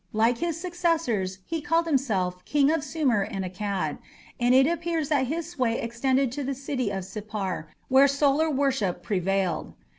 Like his successors, he called himself "King of Sumer and Akkad", and it appears that his sway extended to the city of Sippar, where solar worship prevailed.